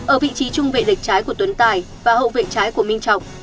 ở vị trí trung vệ trái của tuấn tài và hậu vệ trái của minh trọng